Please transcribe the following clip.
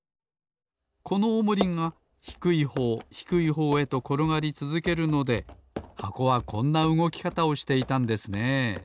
このおもりがひくいほうひくいほうへところがりつづけるので箱はこんなうごきかたをしていたんですねえ。